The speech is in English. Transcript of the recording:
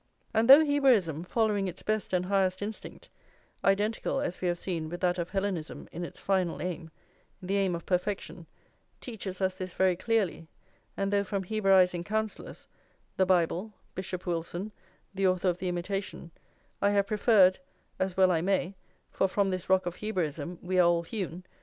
And though Hebraism, following its best and highest instinct, identical, as we have seen, with that of Hellenism in its final aim, the aim of perfection, teaches us this very clearly; and though from Hebraising counsellors, the Bible, Bishop Wilson, the author of the Imitation, I have preferred (as well I may, for from this rock of Hebraism we are all hewn!)